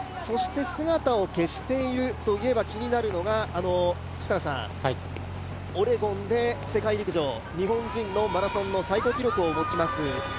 姿を消しているということでやはり気になるのが、オレゴンで世界陸上日本人のマラソン最高記録を持ちます